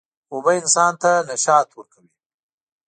اوبه انسان ته نشاط ورکوي.